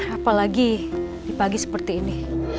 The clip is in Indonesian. apalagi di pagi seperti ini